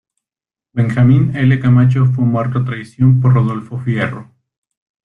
Benjamín L. Camacho fue muerto a traición por Rodolfo Fierro.